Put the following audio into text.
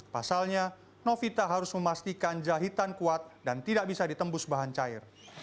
pasalnya novita harus memastikan jahitan kuat dan tidak bisa ditembus bahan cair